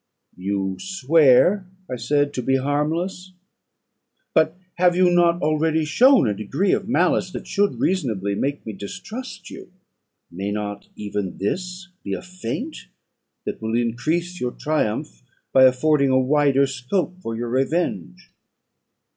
"You swear," I said, "to be harmless; but have you not already shown a degree of malice that should reasonably make me distrust you? May not even this be a feint that will increase your triumph by affording a wider scope for your revenge."